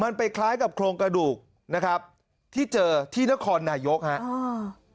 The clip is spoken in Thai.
มันไปคล้ายกับโครงกระดูกนะครับที่เจอที่นครนายกฮะอ๋อ